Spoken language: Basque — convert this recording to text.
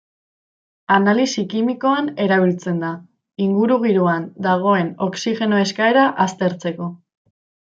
Analisi kimikoan erabiltzen da, ingurugiroan dagoen oxigeno eskaera aztertzeko.